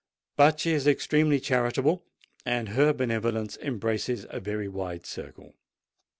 "But she is extremely charitable—and her benevolence embraces a very wide circle."